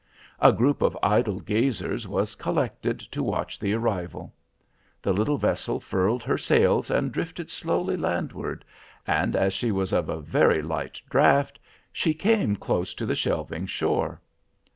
A group of idle gazers was collected to watch the arrival. The little vessel furled her sails and drifted slowly landward, and as she was of very light draft, she came close to the shelving shore.